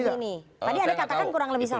begini tadi anda katakan kurang lebih sama